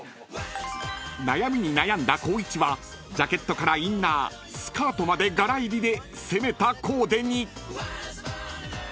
［悩みに悩んだ光一はジャケットからインナースカートまで柄入りで攻めたコーデに］